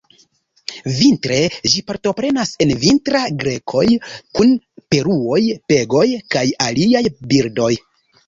Vintre ĝi partoprenas en vintra-gregoj kun paruoj, pegoj, kaj aliaj birdoj.